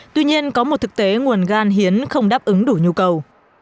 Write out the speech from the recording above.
tuy nhiên có một thực tế nguồn gan hiến không đáp ứng đủ nhu cầu